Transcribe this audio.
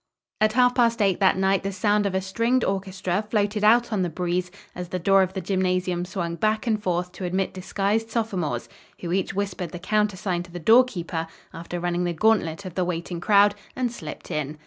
At half past eight that night the sound of a stringed orchestra floated out on the breeze as the door of the gymnasium swung back and forth to admit disguised sophomores, who each whispered the countersign to the doorkeeper, after running the gauntlet of the waiting crowd, and slipped in.